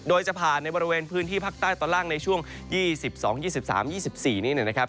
โดยจะผ่านในบริเวณพื้นที่ภาคใต้ตอนล่างในช่วง๒๒๒๓๒๔นี้นะครับ